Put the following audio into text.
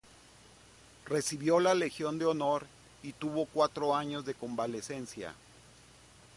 Recibió la Legión de Honor y tuvo cuatro años de convalecencia.